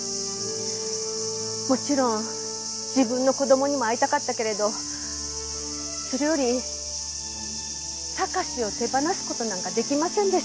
もちろん自分の子供にも会いたかったけれどそれより貴史を手放す事なんかできませんでした。